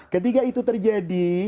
ketika itu terjadi